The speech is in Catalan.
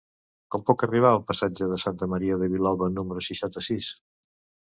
Com puc arribar al passatge de Santa Maria de Vilalba número seixanta-sis?